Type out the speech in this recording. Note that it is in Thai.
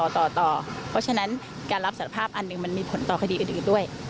เพราะฉะนั้นการรับสารภาพอันหนึ่งมันมีผลต่อคดีอื่นด้วย